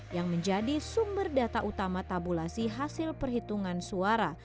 yang menjadi sumber data utama tabulasi hasil perhitungan suara